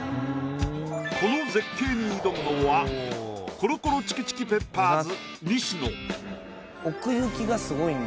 この絶景に挑むのはコロコロチキチキペッパーズ西野。